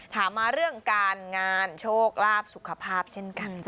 ถามมาเรื่องการงานโชคลาภสุขภาพเช่นกันจ้